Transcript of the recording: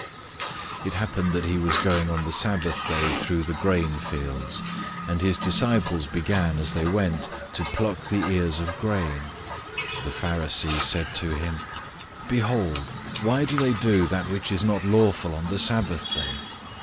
002:023 It happened that he was going on the Sabbath day through the grain fields, and his disciples began, as they went, to pluck the ears of grain. 002:024 The Pharisees said to him, "Behold, why do they do that which is not lawful on the Sabbath day?"